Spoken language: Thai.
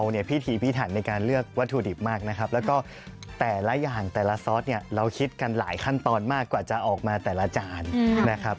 แล้วก็แต่ละอย่างแต่ละซอสเนี่ยเราคิดกันหลายขั้นตอนมากกว่าจะออกมาแต่ละจานนะครับ